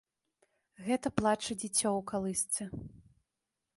Гэта плача дзіцё ў калысцы.